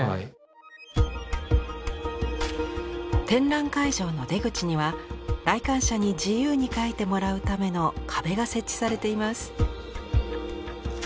展覧会場の出口には来館者に自由にかいてもらうための壁が設置されています。